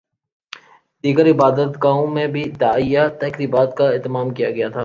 دیگر عبادت گاہوں میں بھی دعائیہ تقریبات کا اہتمام کیا گیا تھا